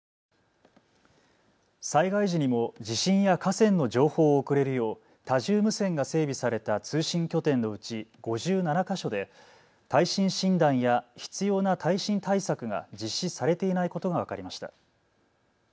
災害時にも地震や河川の情報を送れるよう多重無線が整備された通信拠点のうち５７か所で耐震診断や必要な耐震対策が実施されていないことが分かりました。